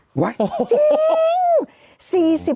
อะไรจริง